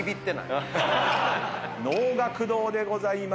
能楽堂でございます。